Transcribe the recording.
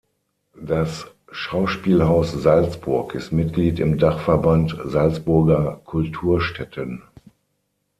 Das "Schauspielhaus Salzburg" ist Mitglied im Dachverband Salzburger Kulturstätten.